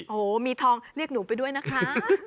โอ้โหมีทองเรียกหนูไปด้วยนะคะ